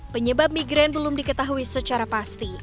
penyebab migraine belum diketahui secara pasti